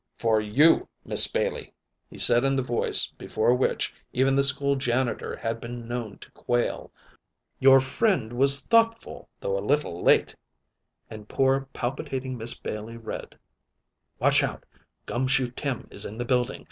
"For you, Miss Bailey," he said in the voice before which even the school janitor had been known to quail. "Your friend was thoughtful, though a little late." And poor palpitating Miss Bailey read: "Watch out! 'Gum Shoe Tim' is in the building.